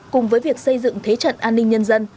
cùng với việc xây dựng thế trận an ninh nhân dân